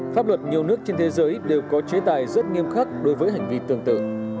pháp luật nhiều nước trên thế giới đều có chế tài rất nghiêm khắc đối với hành vi tương tự